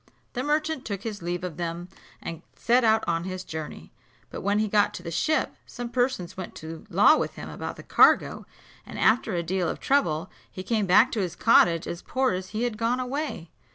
The merchant took his leave of them and set out on his journey; but when he got to the ship, some persons went to law with him about the cargo, and after a deal of trouble, he came back to his cottage as poor as he had gone away.